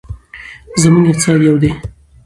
زموږ اقتصاد یو دی.